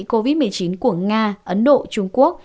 covid một mươi chín của nga ấn độ trung quốc